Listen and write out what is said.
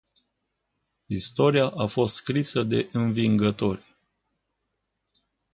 Istoria a fost scrisă de învingători.